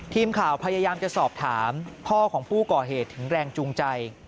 ทีมข่าวพยายามจะสอบถามพ่อของผู้ก่อเหตุถึงแรงจูงใจ